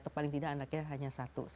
atau paling tidak anaknya hanya satu